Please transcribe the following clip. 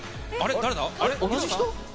同じ人？